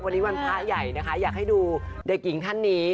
วันนี้วันพระใหญ่นะคะอยากให้ดูเด็กหญิงท่านนี้